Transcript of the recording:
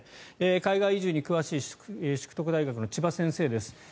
海外移住に詳しい淑徳大学の千葉先生です。